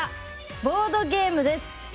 ボードゲームです。